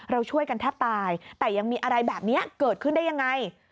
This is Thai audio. เราช่วยกันแทบตายแต่ยังมีอะไรแบบนี้เกิดขึ้นได้ยังไง